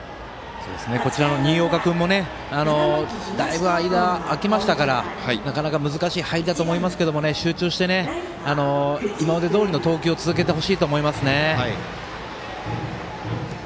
新岡君もだいぶ間、あきましたからなかなか難しい入りだと思いますけど、集中して今までどおりの投球を続けてほしいと思います。